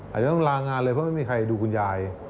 อาจจะต้องลางานเลยเพราะไม่มีใครดูคุณยาย